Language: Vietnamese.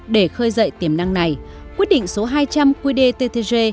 để khơi dậy tiềm năng này quyết định số hai trăm linh qdttg